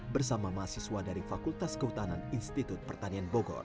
bersama mahasiswa dari fakultas kehutanan institut pertanian bogor